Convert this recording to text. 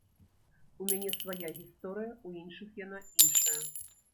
У мяне свая гісторыя, у іншых яна іншая.